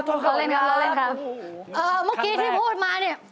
เอ่อเมื่อกี้ที่พูดมาเนี่ย